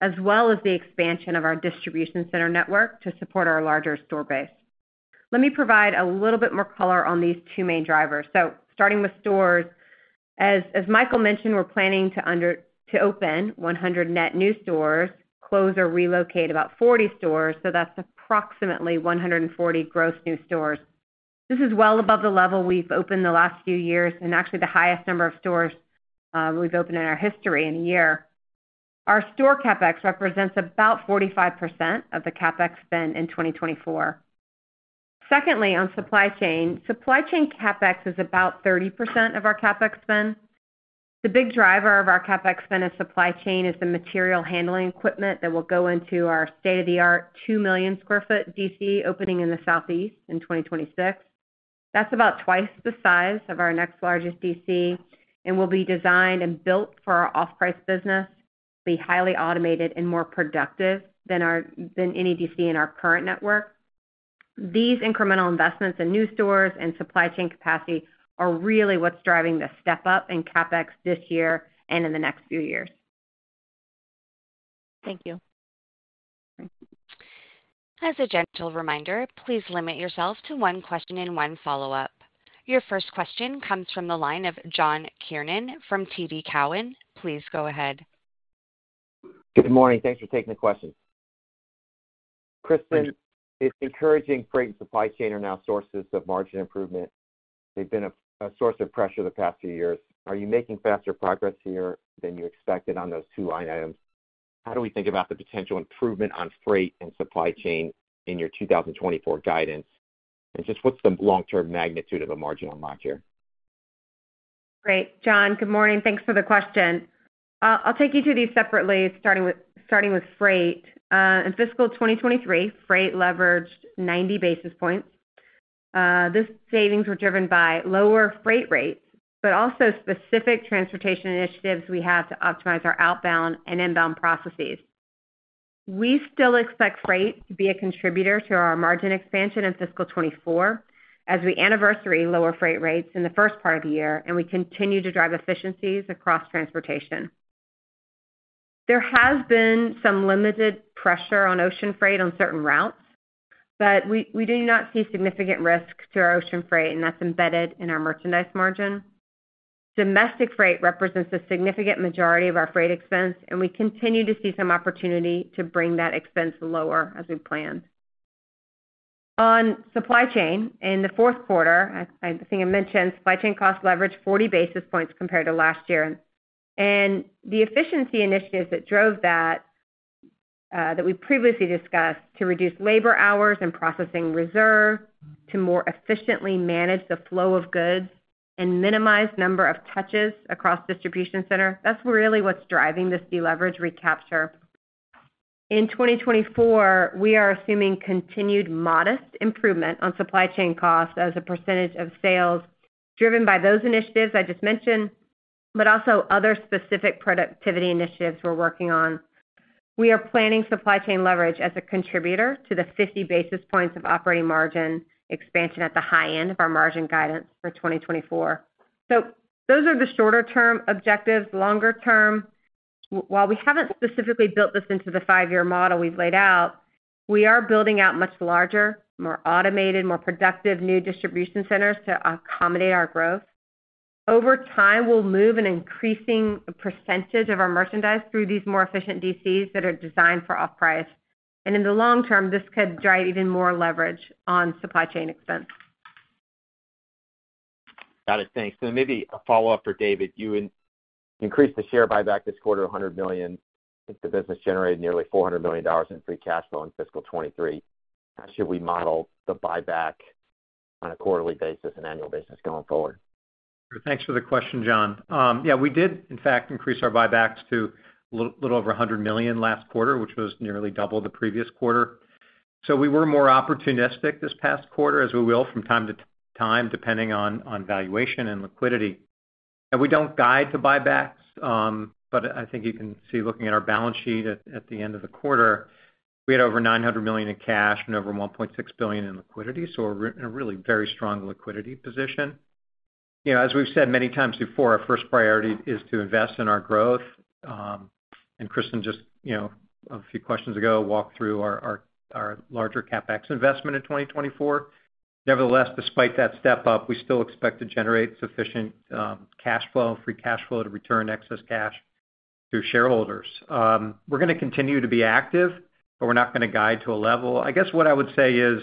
as well as the expansion of our distribution center network to support our larger store base. Let me provide a little bit more color on these two main drivers. So starting with stores, as Michael mentioned, we're planning to open 100 net new stores, close or relocate about 40 stores, so that's approximately 140 gross new stores. This is well above the level we've opened the last few years and actually the highest number of stores we've opened in our history in a year. Our store CapEx represents about 45% of the CapEx spend in 2024. Secondly, on supply chain, supply chain CapEx is about 30% of our CapEx spend. The big driver of our CapEx spend in supply chain is the material handling equipment that will go into our state-of-the-art 2 million sq ft DC, opening in the Southeast in 2026. That's about twice the size of our next largest DC and will be designed and built for our off-price business, be highly automated and more productive than our current network. These incremental investments in new stores and supply chain capacity are really what's driving the step up in CapEx this year and in the next few years. Thank you. As a gentle reminder, please limit yourself to one question and one follow-up. Your first question comes from the line of John Kernan from TD Cowen. Please go ahead. Good morning. Thanks for taking the question. Kristin, it's encouraging freight and supply chain are now sources of margin improvement. They've been a source of pressure the past few years. Are you making faster progress here than you expected on those two line items? How do we think about the potential improvement on freight and supply chain in your 2024 guidance? And just what's the long-term magnitude of a margin unlock here? Great, John. Good morning. Thanks for the question. I'll take each of these separately, starting with freight. In fiscal 2023, freight leveraged 90 basis points. This savings were driven by lower freight rates, but also specific transportation initiatives we had to optimize our outbound and inbound processes. We still expect freight to be a contributor to our margin expansion in fiscal 2024, as we anniversary lower freight rates in the first part of the year, and we continue to drive efficiencies across transportation. There has been some limited pressure on ocean freight on certain routes, but we do not see significant risk to our ocean freight, and that's embedded in our merchandise margin. Domestic freight represents a significant majority of our freight expense, and we continue to see some opportunity to bring that expense lower as we plan. On supply chain, in the fourth quarter, I think I mentioned supply chain cost leverage 40 basis points compared to last year. The efficiency initiatives that drove that, that we previously discussed to reduce labor hours and processing reserve, to more efficiently manage the flow of goods and minimize number of touches across distribution center, that's really what's driving this deleverage recapture. In 2024, we are assuming continued modest improvement on supply chain costs as a percentage of sales, driven by those initiatives I just mentioned, but also other specific productivity initiatives we're working on. We are planning supply chain leverage as a contributor to the 50 basis points of operating margin expansion at the high end of our margin guidance for 2024. So those are the shorter term objectives. Longer term, while we haven't specifically built this into the five-year model we've laid out, we are building out much larger, more automated, more productive new distribution centers to accommodate our growth. Over time, we'll move an increasing percentage of our merchandise through these more efficient DCs that are designed for off-price. In the long term, this could drive even more leverage on supply chain expense. Got it. Thanks. So maybe a follow-up for David. You increased the share buyback this quarter to $100 million. I think the business generated nearly $400 million in free cash flow in fiscal 2023. Should we model the buyback on a quarterly basis and annual basis going forward? Thanks for the question, John. Yeah, we did in fact increase our buybacks to a little, little over $100 million last quarter, which was nearly double the previous quarter. So we were more opportunistic this past quarter, as we will from time to time, depending on, on valuation and liquidity. And we don't guide to buybacks, but I think you can see, looking at our balance sheet at, at the end of the quarter, we had over $900 million in cash and over $1.6 billion in liquidity, so a really very strong liquidity position. You know, as we've said many times before, our first priority is to invest in our growth, and Kristin, just, you know, a few questions ago, walked through our, our, our larger CapEx investment in 2024. Nevertheless, despite that step up, we still expect to generate sufficient cash flow, free cash flow to return excess cash to shareholders. We're gonna continue to be active, but we're not gonna guide to a level. I guess what I would say is,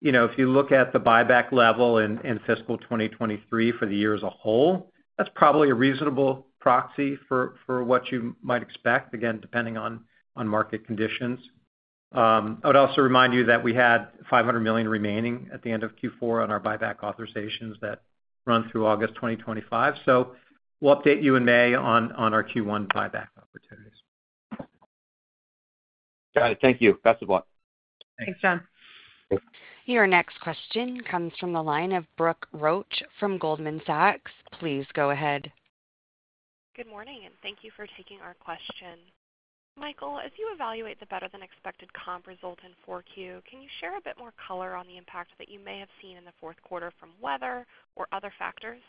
you know, if you look at the buyback level in fiscal 2023 for the year as a whole, that's probably a reasonable proxy for what you might expect, again, depending on market conditions. I would also remind you that we had $500 million remaining at the end of Q4 on our buyback authorizations that run through August 2025. So we'll update you in May on our Q1 buyback opportunities. Got it. Thank you. Best of luck. Thanks, John. Your next question comes from the line of Brooke Roach from Goldman Sachs. Please go ahead. Good morning, and thank you for taking our question. Michael, as you evaluate the better-than-expected comp result in 4Q, can you share a bit more color on the impact that you may have seen in the fourth quarter from weather or other factors?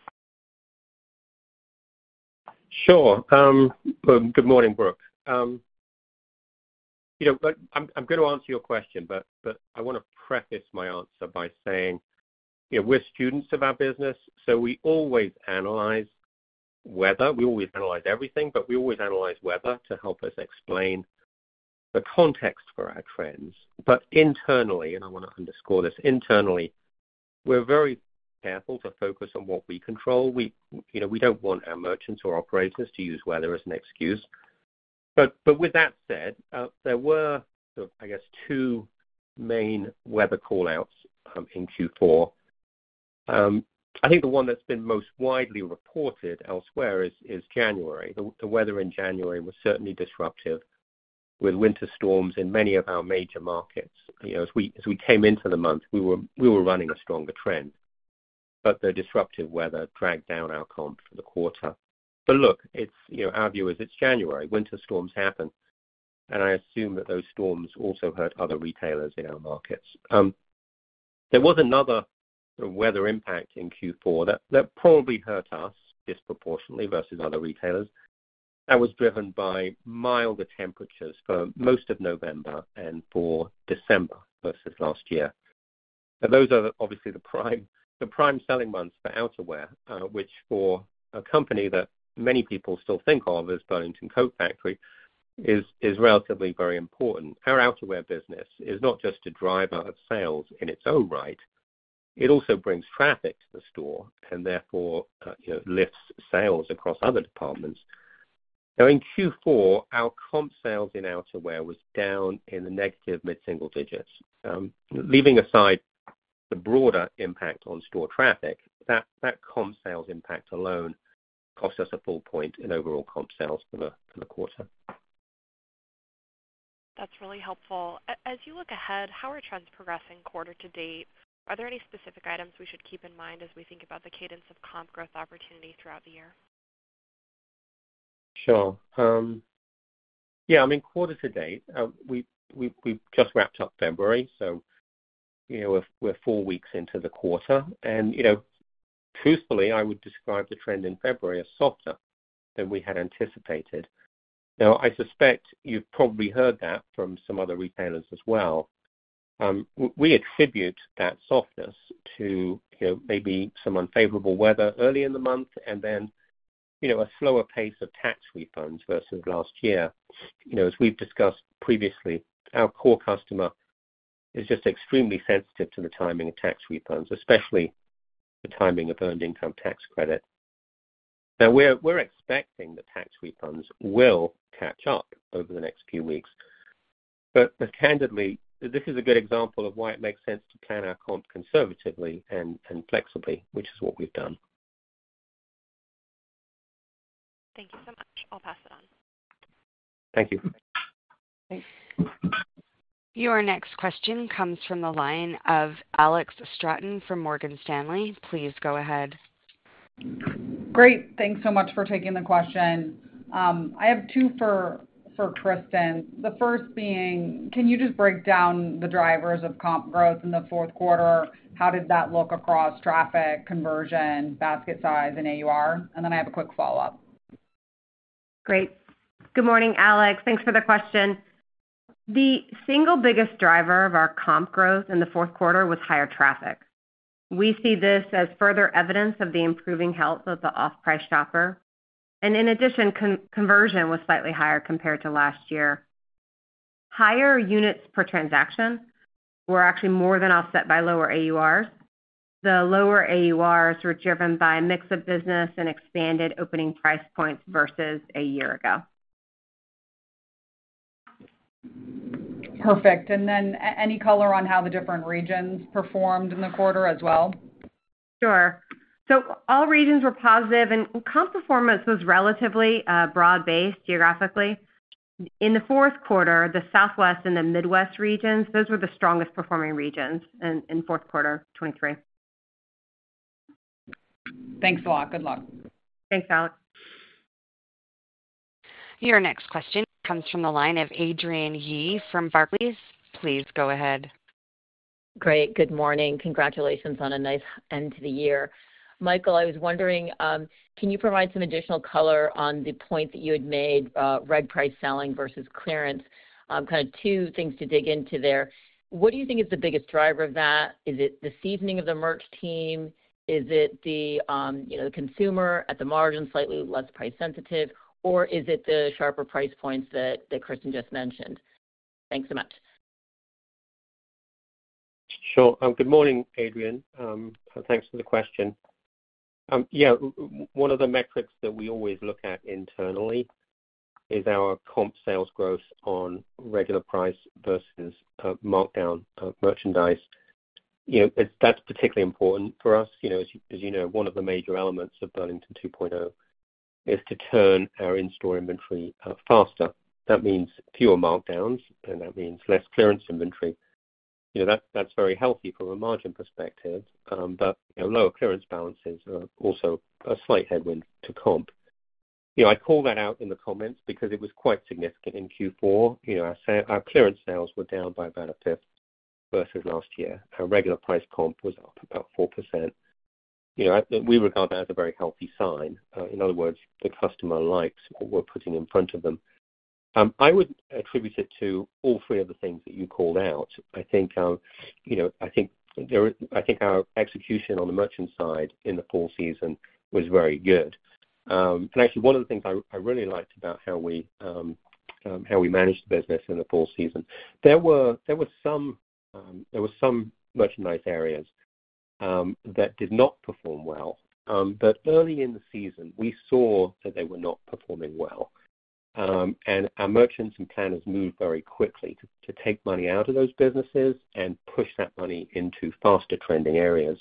Sure. Good morning, Brooke. You know, but I'm gonna answer your question, but I wanna preface my answer by saying, you know, we're students of our business, so we always analyze weather. We always analyze everything, but we always analyze weather to help us explain the context for our trends. But internally, and I wanna underscore this, internally, we're very careful to focus on what we control. We, you know, we don't want our merchants or operators to use weather as an excuse. But with that said, there were, sort of, I guess, two main weather call-outs in Q4. I think the one that's been most widely reported elsewhere is January. The weather in January was certainly disruptive, with winter storms in many of our major markets. You know, as we, as we came into the month, we were, we were running a stronger trend, but the disruptive weather dragged down our comp for the quarter. But look, it's you know, our view is it's January. Winter storms happen, and I assume that those storms also hurt other retailers in our markets. There was another weather impact in Q4 that, that probably hurt us disproportionately versus other retailers, that was driven by milder temperatures for most of November and for December versus last year. But those are obviously the prime, the prime selling months for outerwear, which for a company that many people still think of as Burlington Coat Factory, is, is relatively very important. Our outerwear business is not just a driver of sales in its own right, it also brings traffic to the store and therefore, you know, lifts sales across other departments. Now, in Q4, our comp sales in outerwear was down in the negative mid-single digits. Leaving aside the broader impact on store traffic, that comp sales impact alone cost us a full point in overall comp sales for the quarter. That's really helpful. As you look ahead, how are trends progressing quarter to date? Are there any specific items we should keep in mind as we think about the cadence of comp growth opportunity throughout the year? Sure. Yeah, I mean, quarter to date, we, we've just wrapped up February, so, you know, we're four weeks into the quarter and, you know, truthfully, I would describe the trend in February as softer than we had anticipated. Now, I suspect you've probably heard that from some other retailers as well. We attribute that softness to, you know, maybe some unfavorable weather early in the month and then, you know, a slower pace of tax refunds versus last year. You know, as we've discussed previously, our core customer is just extremely sensitive to the timing of tax refunds, especially the timing of Earned Income Tax Credit. Now, we're expecting the tax refunds will catch up over the next few weeks, but candidly, this is a good example of why it makes sense to plan our comp conservatively and flexibly, which is what we've done. Thank you so much. I'll pass it on. Thank you. Your next question comes from the line of Alex Straton from Morgan Stanley. Please go ahead. Great. Thanks so much for taking the question. I have two for Kristin. The first being: Can you just break down the drivers of comp growth in the fourth quarter? How did that look across traffic, conversion, basket size and AUR? And then I have a quick follow-up. Great. Good morning, Alex. Thanks for the question. The single biggest driver of our comp growth in the fourth quarter was higher traffic. We see this as further evidence of the improving health of the off-price shopper, and in addition, conversion was slightly higher compared to last year. Higher units per transaction were actually more than offset by lower AURs. The lower AURs were driven by a mix of business and expanded opening price points versus a year ago. Perfect. Any color on how the different regions performed in the quarter as well? Sure. So all regions were positive, and comp performance was relatively broad-based geographically. In the fourth quarter, the Southwest and the Midwest regions, those were the strongest performing regions in fourth quarter 2023. Thanks a lot. Good luck. Thanks, Alex. Your next question comes from the line of Adrienne Yih from Barclays. Please go ahead. Great, good morning. Congratulations on a nice end to the year. Michael, I was wondering, can you provide some additional color on the point that you had made, reg price selling versus clearance? Kind of two things to dig into there. What do you think is the biggest driver of that? Is it the seasoning of the merch team? Is it the, you know, consumer at the margin, slightly less price sensitive, or is it the sharper price points that Kristin just mentioned? Thanks so much. Sure. Good morning, Adrienne. Thanks for the question. Yeah, one of the metrics that we always look at internally is our comp sales growth on regular price versus markdown merchandise. You know, it's, that's particularly important for us. You know, as you know, one of the major elements of Burlington 2.0 is to turn our in-store inventory faster. That means fewer markdowns, and that means less clearance inventory. You know, that's very healthy from a margin perspective, but, you know, lower clearance balances are also a slight headwind to comp. You know, I called that out in the comments because it was quite significant in Q4. You know, our clearance sales were down by about a fifth versus last year. Our regular price comp was up about 4%. You know, we regard that as a very healthy sign. In other words, the customer likes what we're putting in front of them. I would attribute it to all three of the things that you called out. I think, you know, I think our execution on the merchant side in the fall season was very good. And actually, one of the things I really liked about how we managed the business in the fall season, there were some merchandise areas that did not perform well. But early in the season, we saw that they were not performing well. And our merchants and planners moved very quickly to take money out of those businesses and push that money into faster trending areas.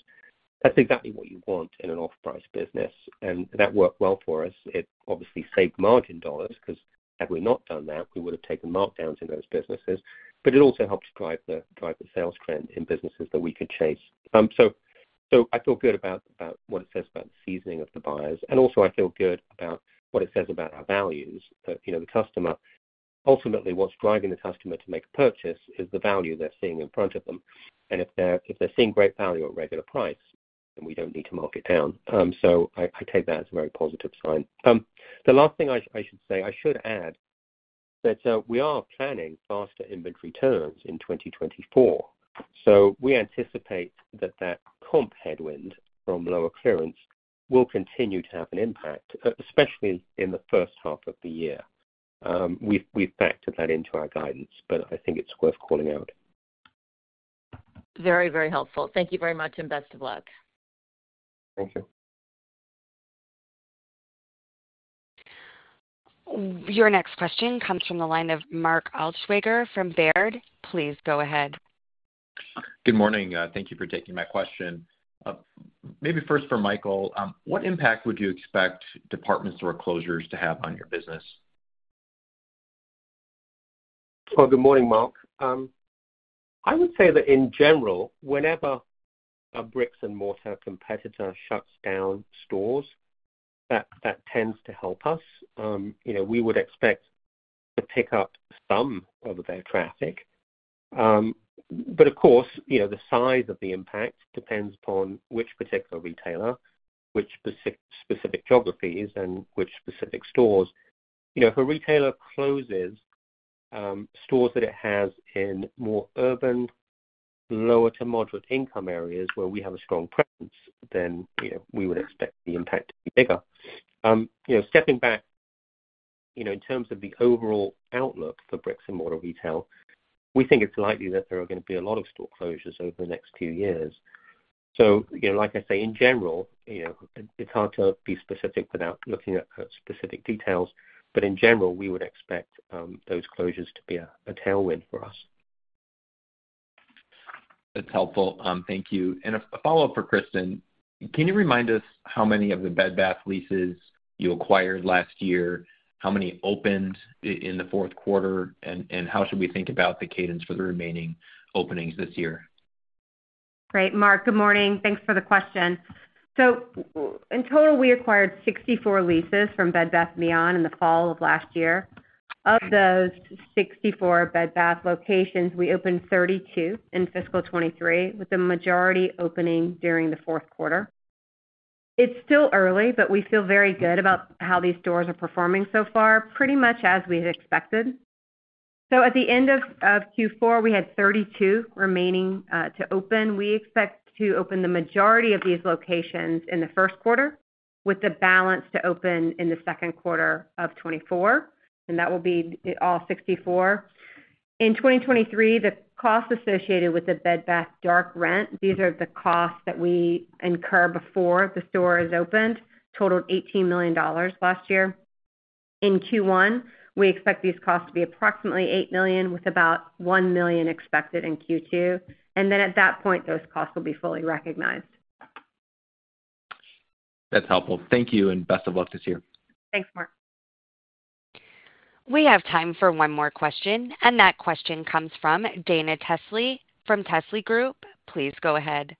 That's exactly what you want in an off-price business, and that worked well for us. It obviously saved margin dollars, because had we not done that, we would have taken markdowns in those businesses, but it also helps drive the sales trend in businesses that we could chase. So I feel good about what it says about the seasoning of the buyers. And also I feel good about what it says about our values. That, you know, the customer. Ultimately, what's driving the customer to make a purchase is the value they're seeing in front of them, and if they're seeing great value at regular price, then we don't need to mark it down. So I take that as a very positive sign. The last thing I should add that we are planning faster inventory turns in 2024. So we anticipate that that comp headwind from lower clearance will continue to have an impact, especially in the first half of the year. We've factored that into our guidance, but I think it's worth calling out. Very, very helpful. Thank you very much, and best of luck. Thank you. Your next question comes from the line of Mark Altschwager from Baird. Please go ahead. Good morning. Thank you for taking my question. Maybe first for Michael, what impact would you expect department store closures to have on your business? Well, good morning, Mark. I would say that in general, whenever a bricks-and-mortar competitor shuts down stores, that, that tends to help us. You know, we would expect to pick up some of their traffic. But of course, you know, the size of the impact depends upon which particular retailer, which specific geographies and which specific stores. You know, if a retailer closes stores that it has in more urban, lower to moderate income areas where we have a strong presence, then, you know, we would expect the impact to be bigger. You know, stepping back, you know, in terms of the overall outlook for bricks-and-mortar retail, we think it's likely that there are gonna be a lot of store closures over the next two years. You know, like I say, in general, you know, it's hard to be specific without looking at specific details, but in general, we would expect those closures to be a tailwind for us. That's helpful. Thank you. And a follow-up for Kristin. Can you remind us how many of the Bed Bath leases you acquired last year? How many opened in the fourth quarter? And how should we think about the cadence for the remaining openings this year? Great, Mark. Good morning. Thanks for the question. So in total, we acquired 64 leases from Bed Bath & Beyond in the fall of last year. Of those 64 Bed Bath locations, we opened 32 in fiscal 2023, with the majority opening during the fourth quarter. It's still early, but we feel very good about how these stores are performing so far, pretty much as we had expected. So at the end of Q4, we had 32 remaining to open. We expect to open the majority of these locations in the first quarter, with the balance to open in the second quarter of 2024, and that will be all 64. In 2023, the costs associated with the Bed Bath dark rent, these are the costs that we incur before the store is opened, totaled $18 million last year. In Q1, we expect these costs to be approximately $8 million, with about $1 million expected in Q2, and then at that point, those costs will be fully recognized. That's helpful. Thank you, and best of luck this year. Thanks, Mark. We have time for one more question, and that question comes from Dana Telsey from Telsey Group. Please go ahead.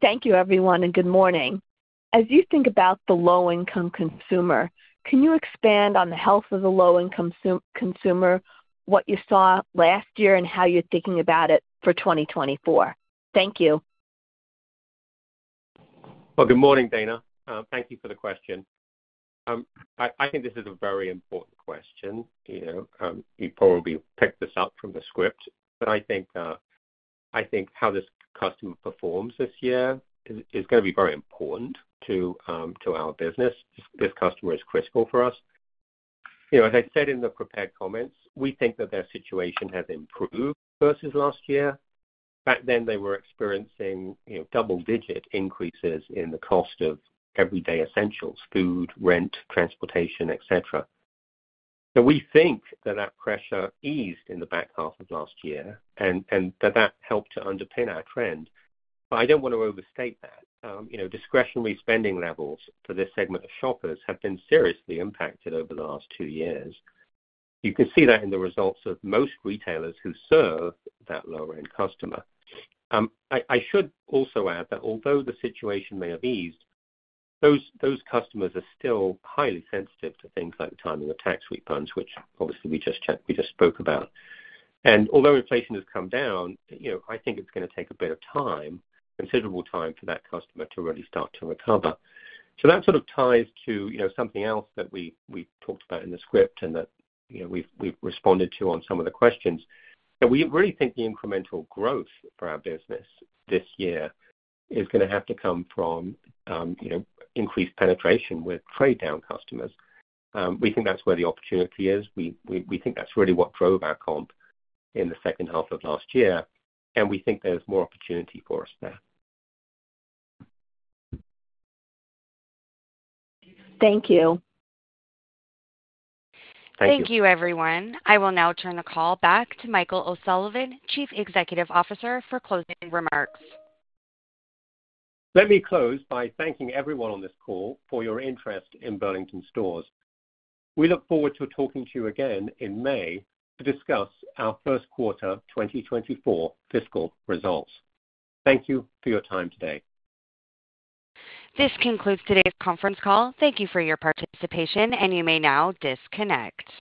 Thank you, everyone, and good morning. As you think about the low-income consumer, can you expand on the health of the low-income consumer, what you saw last year, and how you're thinking about it for 2024? Thank you. Well, good morning, Dana. Thank you for the question. I think this is a very important question. You know, you probably picked this up from the script, but I think how this customer performs this year is gonna be very important to our business. This customer is critical for us. You know, as I said in the prepared comments, we think that their situation has improved versus last year. Back then, they were experiencing, you know, double-digit increases in the cost of everyday essentials: food, rent, transportation, et cetera. So we think that that pressure eased in the back half of last year, and that that helped to underpin our trend. But I don't want to overstate that. You know, discretionary spending levels for this segment of shoppers have been seriously impacted over the last two years. You can see that in the results of most retailers who serve that lower-end customer. I should also add that although the situation may have eased, those customers are still highly sensitive to things like the timing of tax refunds, which obviously we just checked, we just spoke about. And although inflation has come down, you know, I think it's gonna take a bit of time, considerable time, for that customer to really start to recover. So that sort of ties to, you know, something else that we talked about in the script and that, you know, we've responded to on some of the questions. That we really think the incremental growth for our business this year is gonna have to come from, you know, increased penetration with trade-down customers. We think that's where the opportunity is. We think that's really what drove our comp in the second half of last year, and we think there's more opportunity for us there. Thank you. Thank you. Thank you, everyone. I will now turn the call back to Michael O'Sullivan, Chief Executive Officer, for closing remarks. Let me close by thanking everyone on this call for your interest in Burlington Stores. We look forward to talking to you again in May to discuss our first quarter 2024 fiscal results. Thank you for your time today. This concludes today's conference call. Thank you for your participation, and you may now disconnect.